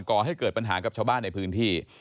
ก่อให้เกิดปัญหากับชาวบ้านในพื้นที่